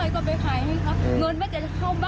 แทงไปกี่ครั้งแล้วครับ